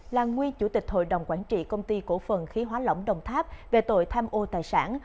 là nguyên chủ tịch hội đồng quản trị công ty cổ phần khí hóa lỏng đồng tháp về tội tham ô tài sản